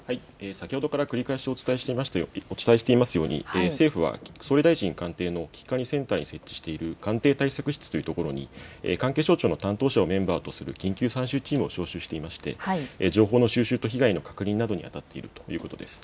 先ほどから繰り返しお伝えしていますように政府は総理大臣官邸の危機管理センターに設置している官邸対策室というところに関係省庁の担当者をメンバーとする緊急参集チームを召集して情報の収集と被害の確認などにあたっているということです。